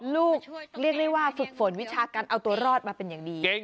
เรียกได้ว่าฝึกฝนวิชาการเอาตัวรอดมาเป็นอย่างดี